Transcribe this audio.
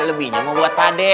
lebihnya mau buat pade